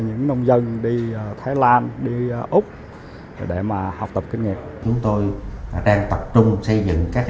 những nông dân đi thái lan đi úc để mà học tập kinh nghiệm chúng tôi đang tập trung xây dựng các